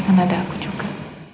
karena ada aku juga